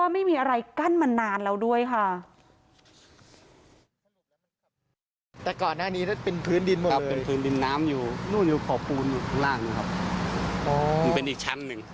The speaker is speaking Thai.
มันเป็นอีกชั้นนึง